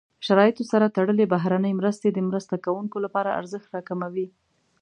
شرایطو سره تړلې بهرنۍ مرستې د مرسته کوونکو لپاره ارزښت راکموي.